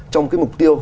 trong cái mục tiêu